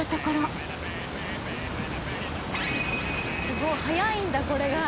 すごい速いんだこれが。